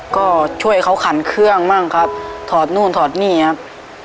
ก็ช่วยเขาขันเครื่องบ้างครับถอดนู่นถอดนี่ครับ